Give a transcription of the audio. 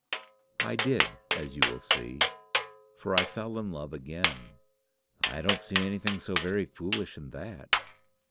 "I did, as you will see; for I fell in love again." "I don't see anything so very foolish in that."